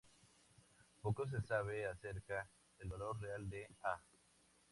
Poco se sabe acerca el valor real de "A".